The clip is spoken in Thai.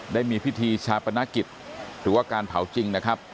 ได้มีพิธีชาปนกิจหรือว่าการเผาจริงนะครับ